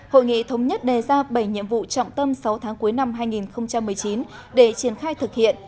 hội nghị thống nhất đề ra bảy nhiệm vụ trọng tâm sáu tháng cuối năm hai nghìn một mươi chín để triển khai thực hiện